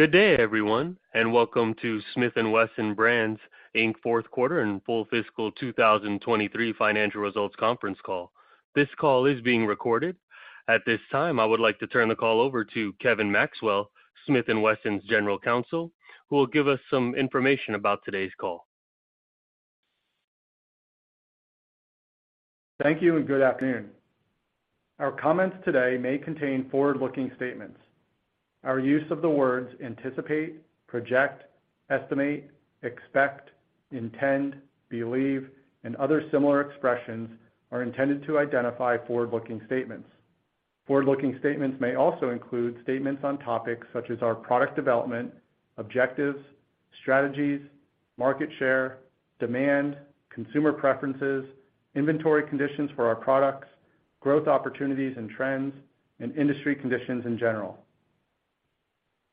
Good day, everyone, and welcome to Smith & Wesson Brands, Inc. Q4 and Full fiscal 2023 Financial Results Conference Call. This call is being recorded. At this time, I would like to turn the call over to Kevin Maxwell, Smith & Wesson's General Counsel, who will give us some information about today's call. Thank you, and good afternoon. Our comments today may contain forward-looking statements. Our use of the words anticipate, project, estimate, expect, intend, believe, and other similar expressions are intended to identify forward-looking statements. Forward-looking statements may also include statements on topics such as our product development, objectives, strategies, market share, demand, consumer preferences, inventory conditions for our products, growth opportunities and trends, and industry conditions in general.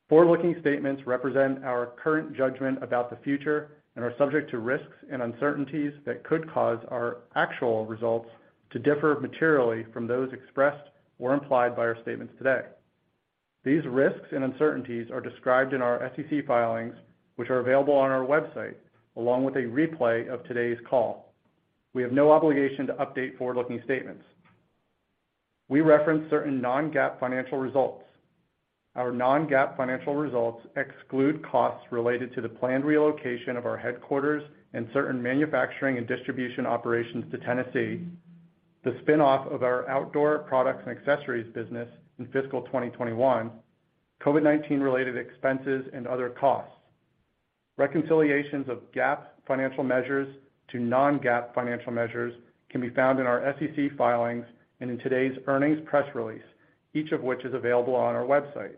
Forward-looking statements represent our current judgment about the future and are subject to risks and uncertainties that could cause our actual results to differ materially from those expressed or implied by our statements today. These risks and uncertainties are described in our SEC filings, which are available on our website, along with a replay of today's call. We have no obligation to update forward-looking statements. We reference certain non-GAAP financial results. Our non-GAAP financial results exclude costs related to the planned relocation of our headquarters and certain manufacturing and distribution operations to Tennessee, the spin-off of our outdoor products and accessories business in fiscal 2021, COVID-19 related expenses and other costs. Reconciliations of GAAP financial measures to non-GAAP financial measures can be found in our SEC filings and in today's earnings press release, each of which is available on our website.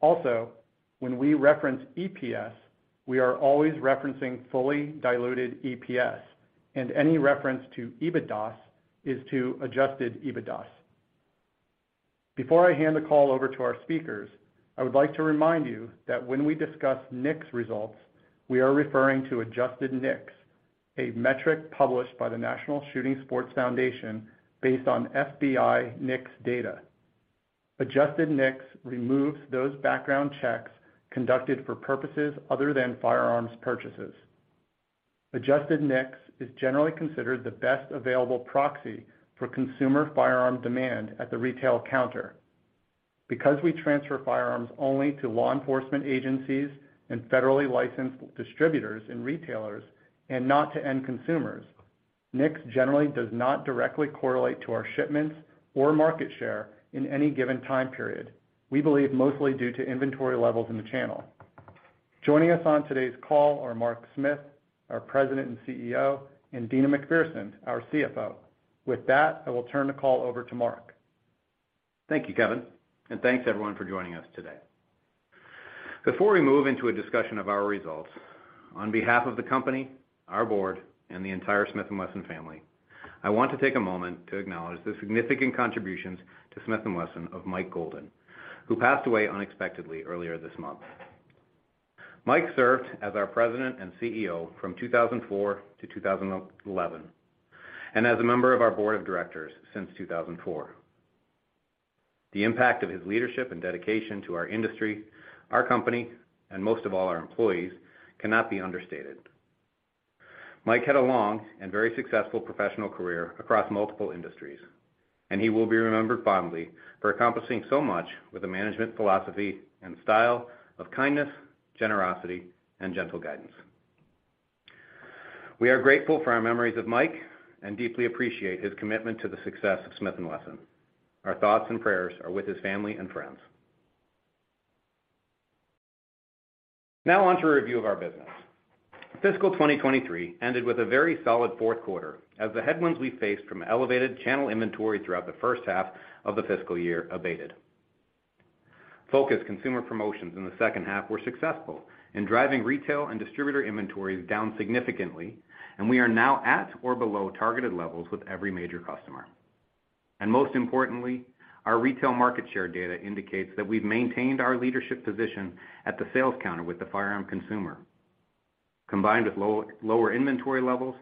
When we reference EPS, we are always referencing fully diluted EPS, and any reference to EBITDAS is to adjusted EBITDAS. Before I hand the call over to our speakers, I would like to remind you that when we discuss NICS results, we are referring to adjusted NICS, a metric published by the National Shooting Sports Foundation based on FBI NICS data. Adjusted NICS removes those background checks conducted for purposes other than firearms purchases. Adjusted NICS is generally considered the best available proxy for consumer firearm demand at the retail counter. Because we transfer firearms only to law enforcement agencies and federally licensed distributors and retailers, and not to end consumers, NICS generally does not directly correlate to our shipments or market share in any given time period. We believe mostly due to inventory levels in the channel. Joining us on today's call are Mark Smith, our President and CEO, and Deana McPherson, our CFO. With that, I will turn the call over to Mark. Thank you, Kevin. Thanks everyone for joining us today. Before we move into a discussion of our results, on behalf of the company, our board, and the entire Smith & Wesson family, I want to take a moment to acknowledge the significant contributions to Smith & Wesson of Mike Golden, who passed away unexpectedly earlier this month. Mike served as our President and CEO from 2004 to 2011, as a member of our board of directors since 2004. The impact of his leadership and dedication to our industry, our company, and most of all, our employees, cannot be understated. Mike had a long and very successful professional career across multiple industries. He will be remembered fondly for accomplishing so much with a management philosophy and style of kindness, generosity, and gentle guidance. We are grateful for our memories of Mike and deeply appreciate his commitment to the success of Smith & Wesson. Our thoughts and prayers are with his family and friends. On to a review of our business. Fiscal 2023 ended with a very solid Q4 as the headwinds we faced from elevated channel inventory throughout the first half of the fiscal year abated. Focused consumer promotions in the second half were successful in driving retail and distributor inventories down significantly, and we are now at or below targeted levels with every major customer. Most importantly, our retail market share data indicates that we've maintained our leadership position at the sales counter with the firearm consumer. Combined with lower inventory levels,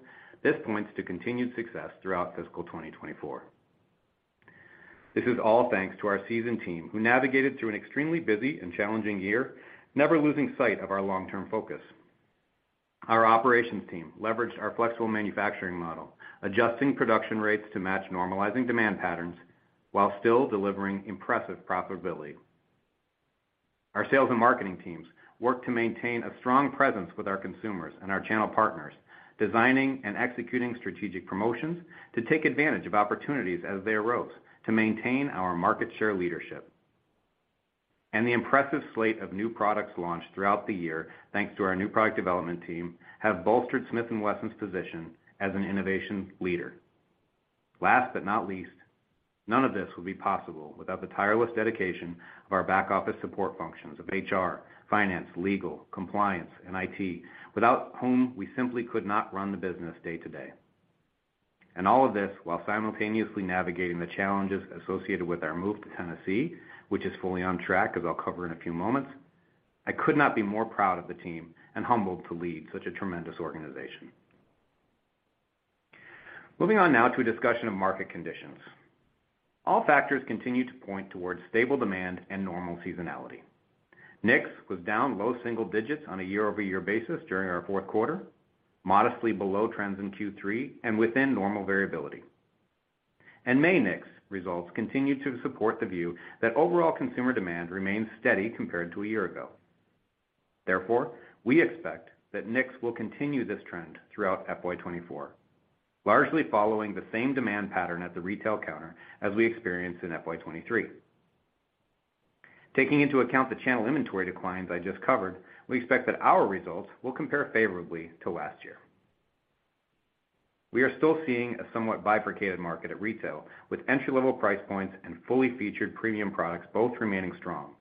this points to continued success throughout fiscal 2024. This is all thanks to our seasoned team, who navigated through an extremely busy and challenging year, never losing sight of our long-term focus. Our operations team leveraged our flexible manufacturing model, adjusting production rates to match normalizing demand patterns, while still delivering impressive profitability. Our sales and marketing teams worked to maintain a strong presence with our consumers and our channel partners, designing and executing strategic promotions to take advantage of opportunities as they arose to maintain our market share leadership. The impressive slate of new products launched throughout the year, thanks to our new product development team, have bolstered Smith & Wesson's position as an innovation leader. Last but not least, none of this would be possible without the tireless dedication of our back-office support functions of HR, finance, legal, compliance, and IT, without whom we simply could not run the business day to day. All of this while simultaneously navigating the challenges associated with our move to Tennessee, which is fully on track, as I'll cover in a few moments. I could not be more proud of the team and humbled to lead such a tremendous organization. Moving on now to a discussion of market conditions. All factors continue to point towards stable demand and normal seasonality. NICS was down low single digits on a year-over-year basis during our Q4, modestly below trends in Q3, and within normal variability. May NICS results continued to support the view that overall consumer demand remains steady compared to a year ago. Therefore, we expect that NICS will continue this trend throughout FY 2024, largely following the same demand pattern at the retail counter as we experienced in FY 2023. Taking into account the channel inventory declines I just covered, we expect that our results will compare favorably to last year. We are still seeing a somewhat bifurcated market at retail, with entry-level price points and fully featured premium products both remaining strong.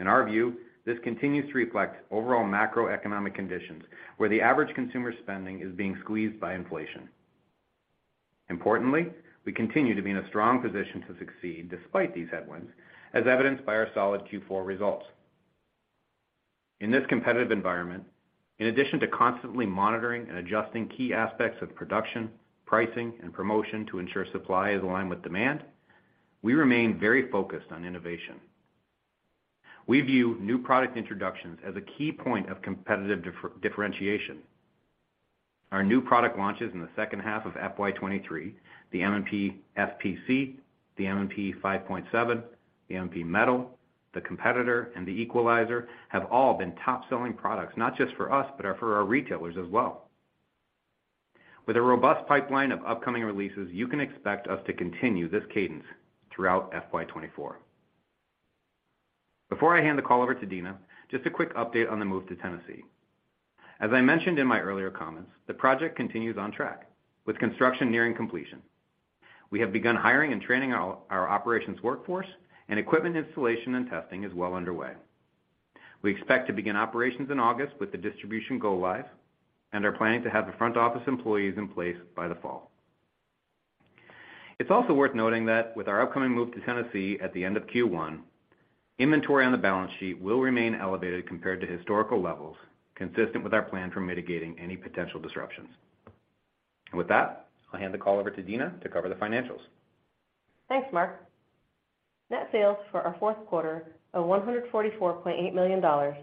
In our view, this continues to reflect overall macroeconomic conditions, where the average consumer spending is being squeezed by inflation. Importantly, we continue to be in a strong position to succeed despite these headwinds, as evidenced by our solid Q4 results. In this competitive environment, in addition to constantly monitoring and adjusting key aspects of production, pricing, and promotion to ensure supply is aligned with demand, we remain very focused on innovation. We view new product introductions as a key point of competitive differentiation. Our new product launches in the second half of FY 2023, the M&P FPC, the M&P 5.7, the M&P Metal, the Competitor, and the Equalizer, have all been top-selling products, not just for us, but are for our retailers as well. With a robust pipeline of upcoming releases, you can expect us to continue this cadence throughout FY 2024. Before I hand the call over to Deana, just a quick update on the move to Tennessee. As I mentioned in my earlier comments, the project continues on track, with construction nearing completion. We have begun hiring and training our operations workforce, and equipment installation and testing is well underway. We expect to begin operations in August with the distribution go live, and are planning to have the front office employees in place by the fall. It's also worth noting that with our upcoming move to Tennessee at the end of Q1, inventory on the balance sheet will remain elevated compared to historical levels, consistent with our plan for mitigating any potential disruptions. With that, I'll hand the call over to Deana to cover the financials. Thanks, Mark. Net sales for our Q4 are $144.8 million, or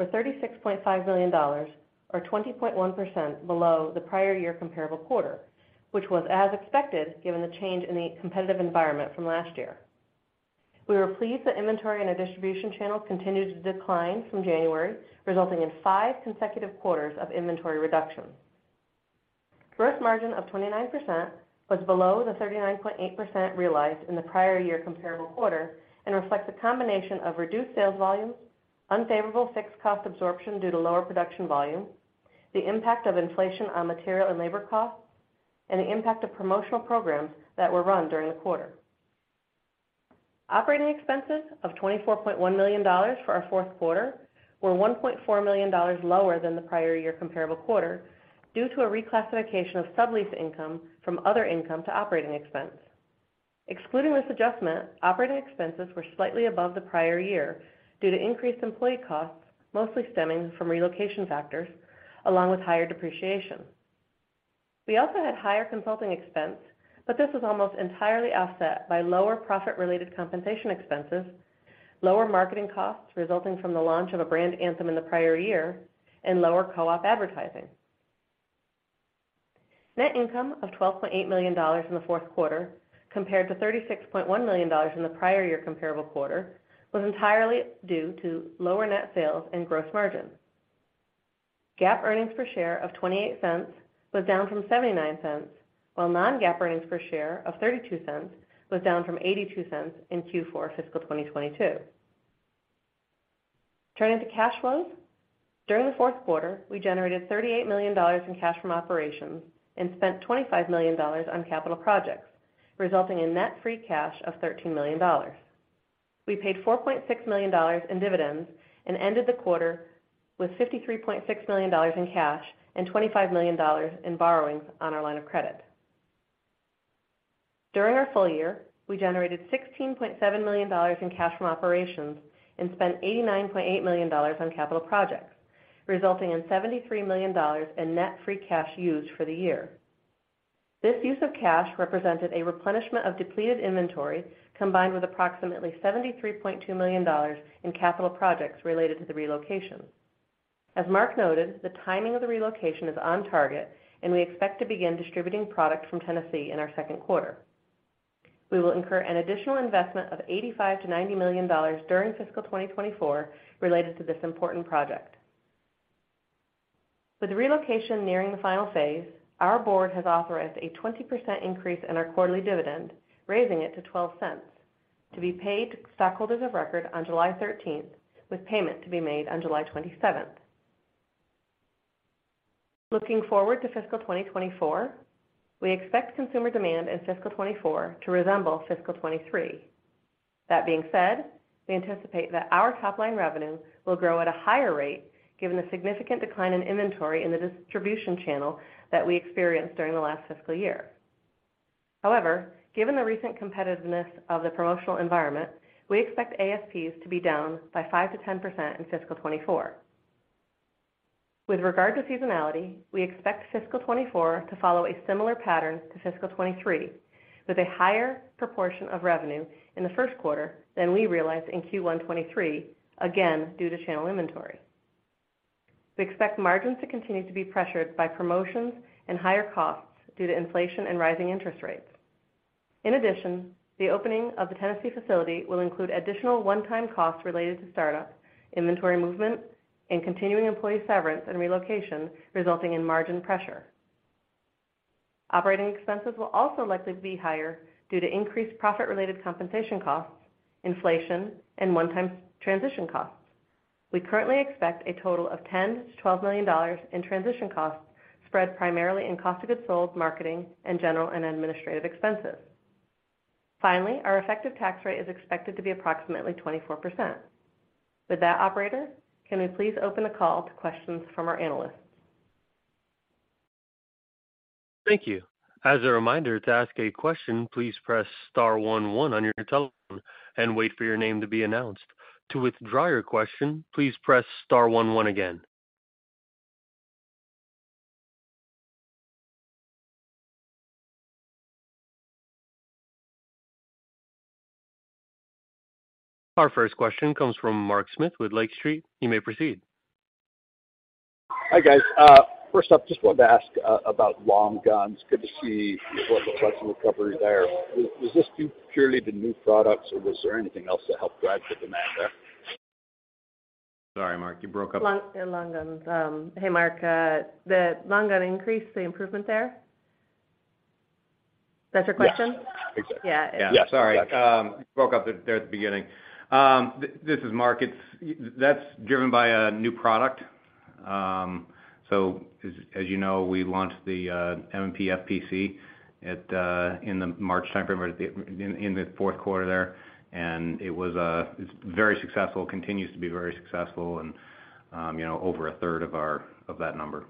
$36.5 million, or 20.1% below the prior year comparable quarter, which was as expected, given the change in the competitive environment from last year. We were pleased that inventory in our distribution channel continued to decline from January, resulting in five consecutive quarters of inventory reduction. Gross margin of 29% was below the 39.8% realized in the prior year comparable quarter and reflects a combination of reduced sales volumes, unfavorable fixed cost absorption due to lower production volume, the impact of inflation on material and labor costs, and the impact of promotional programs that were run during the quarter. Operating expenses of $24.1 million for our Q4 were $1.4 million lower than the prior year comparable quarter due to a reclassification of sublease income from other income to operating expense. Excluding this adjustment, operating expenses were slightly above the prior year due to increased employee costs, mostly stemming from relocation factors, along with higher depreciation. We also had higher consulting expense, but this was almost entirely offset by lower profit-related compensation expenses, lower marketing costs resulting from the launch of a brand anthem in the prior year, and lower co-op advertising. Net income of $12.8 million in the Q4, compared to $36.1 million in the prior year comparable quarter, was entirely due to lower net sales and gross margins. GAAP earnings per share of $0.28 was down from $0.79, while non-GAAP earnings per share of $0.32 was down from $0.82 in Q4 fiscal 2022. Turning to cash flows. During the Q4, we generated $38 million in cash from operations and spent $25 million on capital projects, resulting in net free cash of $13 million. We paid $4.6 million in dividends and ended the quarter with $53.6 million in cash and $25 million in borrowings on our line of credit. During our full year, we generated $16.7 million in cash from operations and spent $89.8 million on capital projects, resulting in $73 million in net free cash used for the year. This use of cash represented a replenishment of depleted inventory, combined with approximately $73.2 million in capital projects related to the relocation. As Mark noted, the timing of the relocation is on target, and we expect to begin distributing product from Tennessee in our second quarter. We will incur an additional investment of $85 million-$90 million during fiscal 2024 related to this important project. With the relocation nearing the final phase, our board has authorized a 20% increase in our quarterly dividend, raising it to $0.12, to be paid to stockholders of record on July 13th, with payment to be made on July 27th. Looking forward to fiscal 2024, we expect consumer demand in fiscal 2024 to resemble fiscal 2023. That being said, we anticipate that our top-line revenue will grow at a higher rate given the significant decline in inventory in the distribution channel that we experienced during the last fiscal year. Given the recent competitiveness of the promotional environment, we expect ASPs to be down by 5%-10% in fiscal 2024. With regard to seasonality, we expect fiscal 2024 to follow a similar pattern to fiscal 2023, with a higher proportion of revenue in the Q1 than we realized in Q1 2023, again, due to channel inventory. We expect margins to continue to be pressured by promotions and higher costs due to inflation and rising interest rates. The opening of the Tennessee facility will include additional one-time costs related to startup, inventory movement, and continuing employee severance and relocation, resulting in margin pressure. Operating expenses will also likely be higher due to increased profit-related compensation costs, inflation, and one-time transition costs. We currently expect a total of $10 million-$12 million in transition costs, spread primarily in cost of goods sold, marketing, and general and administrative expenses. Finally, our effective tax rate is expected to be approximately 24%. With that, operator, can we please open the call to questions from our analysts? Thank you. As a reminder, to ask a question, please press star one one on your telephone and wait for your name to be announced. To withdraw your question, please press star one one again. Our first question comes from Mark Smith with Lake Street. You may proceed. Hi, guys. First up, just wanted to ask about long guns. Good to see what the recovery there. Was this due purely to new products, or was there anything else that helped drive the demand there? Sorry, Mark, you broke up. Long, long guns. Hey, Mark, the long gun increase, the improvement there? Yes, exactly. Yeah. Yeah. Sorry, you broke up there at the beginning. This is Mark. That's driven by a new product. As you know, we launched the M&P FPC at in the March timeframe or the in the Q4 there, it's very successful. Continues to be very successful and you know, over a third of our, of that number.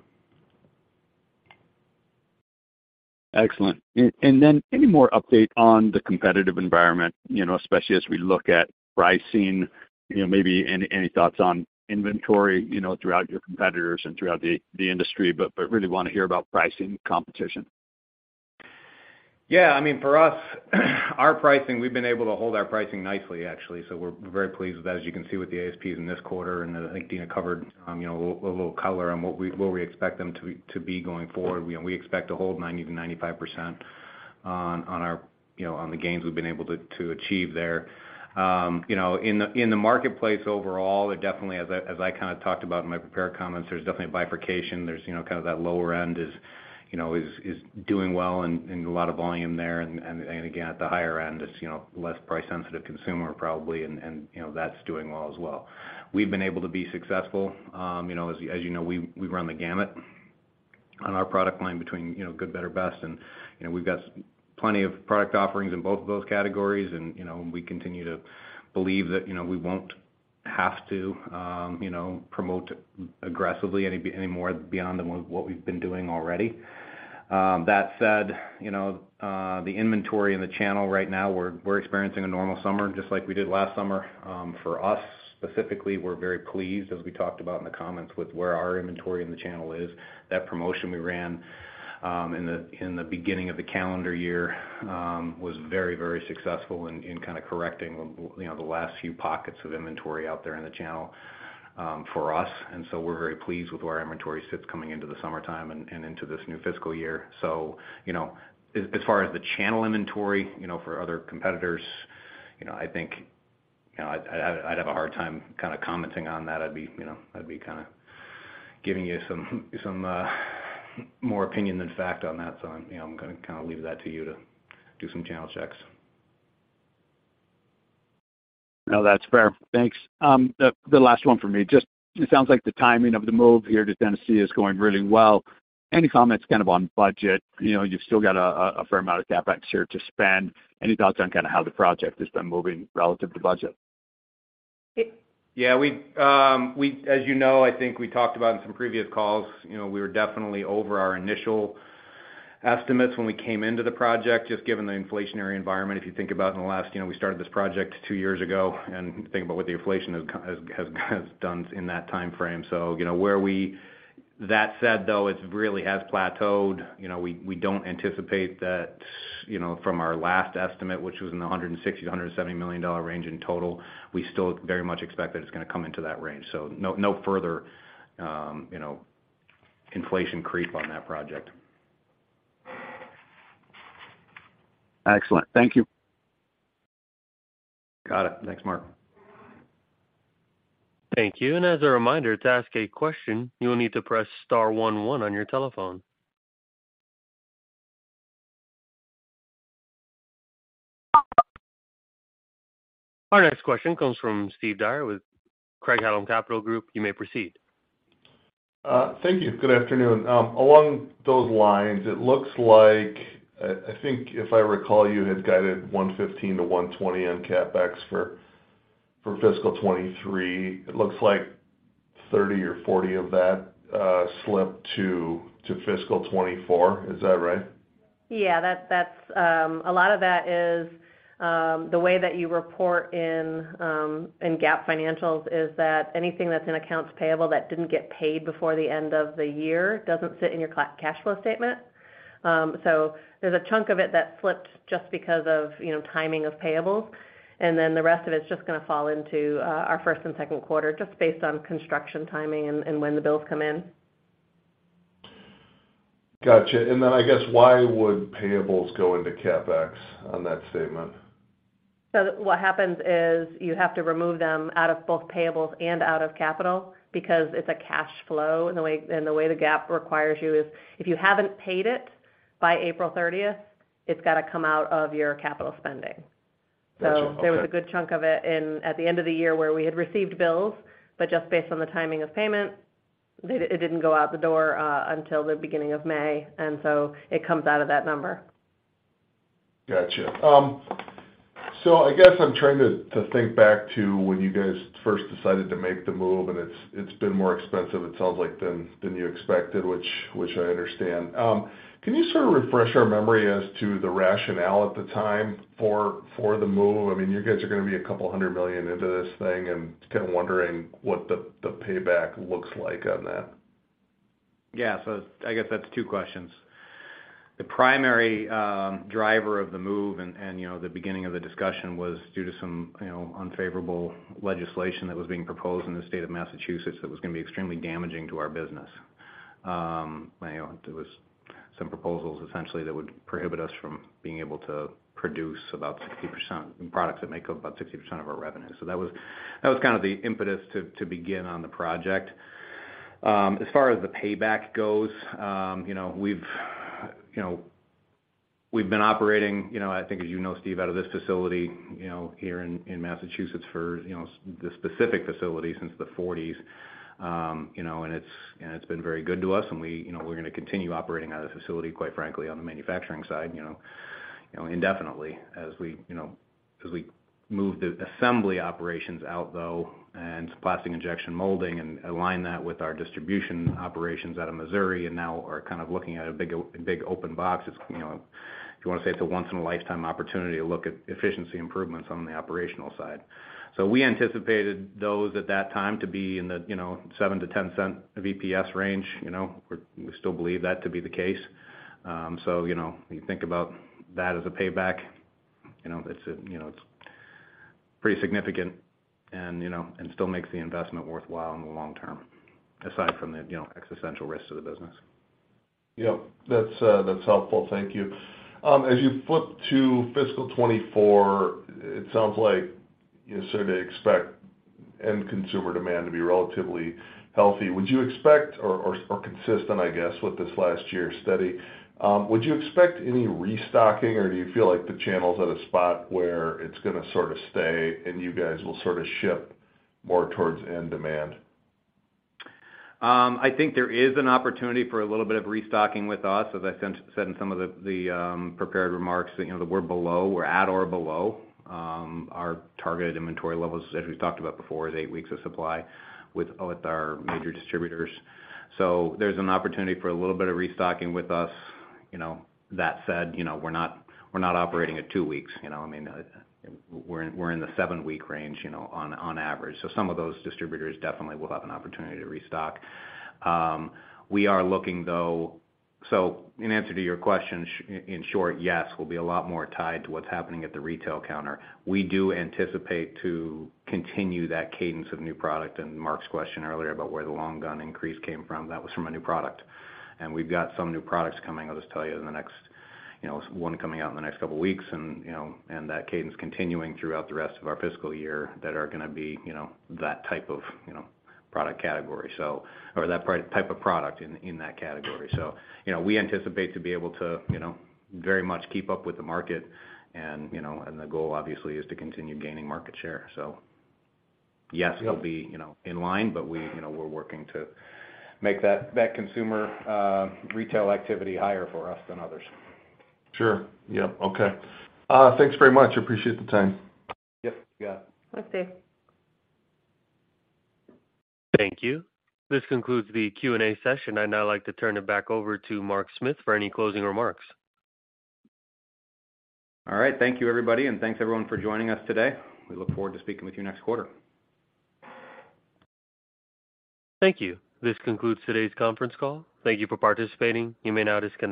Excellent. Then any more update on the competitive environment, you know, especially as we look at pricing? You know, maybe any thoughts on inventory, you know, throughout your competitors and throughout the industry, but really want to hear about pricing competition. Yeah, I mean, for us, our pricing, we've been able to hold our pricing nicely, actually, so we're very pleased with that, as you can see with the ASPs in this quarter. I think Deana covered, you know, a little color on what we, what we expect them to be going forward. We expect to hold 90%-95% on our, you know, on the gains we've been able to achieve there. You know, in the marketplace overall, it definitely as I kind of talked about in my prepared comments, there's definitely a bifurcation. There's, you know, kind of that lower end is, you know, doing well and a lot of volume there. Again, at the higher end, it's, you know, less price-sensitive consumer, probably, and, you know, that's doing well as well. We've been able to be successful. You know, as you know, we run the gamut on our product line between, you know, good, better, best, and, you know, we've got plenty of product offerings in both of those categories. You know, we continue to believe that, you know, we won't have to, you know, promote aggressively any more beyond than what we've been doing already. That said, you know, the inventory in the channel right now, we're experiencing a normal summer, just like we did last summer. For us, specifically, we're very pleased, as we talked about in the comments, with where our inventory in the channel is. That promotion we ran, in the beginning of the calendar year, was very successful in kind of correcting, you know, the last few pockets of inventory out there in the channel, for us. We're very pleased with where our inventory sits coming into the summertime and into this new fiscal year. As far as the channel inventory, you know, for other competitors, you know, I think, you know, I'd have a hard time kind of commenting on that. I'd be, you know, I'd be kind of giving you some more opinion than fact on that. I'm, you know, I'm going to kind of leave that to you to do some channel checks. No, that's fair. Thanks. The last one for me, just it sounds like the timing of the move here to Tennessee is going really well. Any comments kind of on budget? You know, you've still got a fair amount of CapEx here to spend. Any thoughts on kind of how the project has been moving relative to budget? Yeah, we, as you know, I think we talked about in some previous calls, you know, we were definitely over our initial estimates when we came into the project, just given the inflationary environment. If you think about in the last. You know, we started this project two years ago, and think about what the inflation has done in that time frame. That said, though, it really has plateaued. You know, we don't anticipate that, you know, from our last estimate, which was in the $160 million-$170 million range in total, we still very much expect that it's going to come into that range. No further, you know, inflation creep on that project. Excellent. Thank you. Got it. Thanks, Mark. Thank you. As a reminder, to ask a question, you will need to press star one one on your telephone. Our next question comes from Steve Dyer with Craig-Hallum Capital Group. You may proceed. Thank you. Good afternoon. Along those lines, it looks like, I think if I recall, you had guided $115-$120 on CapEx for fiscal 2023. $30 or $40 of that slipped to fiscal 2024. Is that right? Yeah, that's a lot of that is the way that you report in GAAP financials, is that anything that's in accounts payable that didn't get paid before the end of the year, doesn't sit in your cash flow statement. There's a chunk of it that slipped just because of, you know, timing of payables, and then the rest of it's just gonna fall into our first and second quarter, just based on construction timing and when the bills come in. Gotcha. I guess, why would payables go into CapEx on that statement? What happens is, you have to remove them out of both payables and out of capital, because it's a cash flow, and the way the GAAP requires you is, if you haven't paid it by April 30th, it's gotta come out of your capital spending. Gotcha, okay. There was a good chunk of it at the end of the year, where we had received bills, but just based on the timing of payment, it didn't go out the door, until the beginning of May, and so it comes out of that number. Gotcha. I guess I'm trying to think back to when you guys first decided to make the move, and it's been more expensive, it sounds like, than you expected, which I understand. Can you sort of refresh our memory as to the rationale at the time for the move? I mean, you guys are gonna be $200 million into this thing, and just kind of wondering what the payback looks like on that. Yeah. I guess that's two questions. The primary driver of the move, and, you know, the beginning of the discussion was due to some, you know, unfavorable legislation that was being proposed in the state of Massachusetts that was gonna be extremely damaging to our business. You know, there was some proposals, essentially, that would prohibit us from being able to produce about 60% products that make up about 60% of our revenue. That was kind of the impetus to begin on the project. As far as the payback goes, you know, we've been operating, you know, I think, as you know, Steve, out of this facility, you know, here in Massachusetts for, you know, this specific facility since the 1940s. You know, and it's and it's been very good to us, and we, you know, we're gonna continue operating out of this facility, quite frankly, on the manufacturing side, you know, indefinitely. As we, you know, as we move the assembly operations out, though, and plastic injection molding and align that with our distribution operations out of Missouri, and now are kind of looking at a big open box. It's, you know, if you wanna say it's a once-in-a-lifetime opportunity to look at efficiency improvements on the operational side. We anticipated those, at that time, to be in the, you know, $0.07-$0.10 EPS range. You know, we still believe that to be the case. You know, when you think about that as a payback, you know, it's, you know, it's pretty significant and, you know, and still makes the investment worthwhile in the long term, aside from the, you know, existential risk to the business. Yep, that's helpful. Thank you. As you flip to fiscal 2024, it sounds like you sort of expect end consumer demand to be relatively healthy. Or, consistent, I guess, with this last year, steady. Would you expect any restocking, or do you feel like the channel's at a spot where it's gonna sort of stay, and you guys will sort of ship more towards end demand? I think there is an opportunity for a little bit of restocking with us, as I said in some of the prepared remarks, you know, that we're below, we're at or below our targeted inventory levels, as we've talked about before, is 8 weeks of supply with our major distributors. There's an opportunity for a little bit of restocking with us. You know, that said, you know, we're not operating at two weeks, you know, I mean, we're in the seven-week range, you know, on average. Some of those distributors definitely will have an opportunity to restock. We are looking, though in answer to your question, in short, yes, we'll be a lot more tied to what's happening at the retail counter. We do anticipate to continue that cadence of new product. Mark's question earlier about where the long gun increase came from, that was from a new product. We've got some new products coming, I'll just tell you, in the next, you know, one coming out in the next couple of weeks. That cadence continuing throughout the rest of our fiscal year, that are gonna be, you know, that type of, you know, product category. That type of product in that category. You know, we anticipate to be able to, you know, very much keep up with the market and, you know, and the goal, obviously, is to continue gaining market share. Yes, we'll be, you know, in line, but we, you know, we're working to make that consumer retail activity higher for us than others. Sure. Yep. Okay. Thanks very much. Appreciate the time. Yep, yeah. Thanks, Steve. Thank you. This concludes the Q&A session. I'd now like to turn it back over to Mark Smith for any closing remarks. All right. Thank you, everybody, and thanks, everyone, for joining us today. We look forward to speaking with you next quarter. Thank you. This concludes today's conference call. Thank you for participating. You may now disconnect.